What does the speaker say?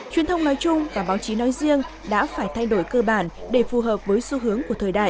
truyền thông nói chung và báo chí nói riêng đã phải thay đổi cơ bản để phù hợp với xu hướng của thời đại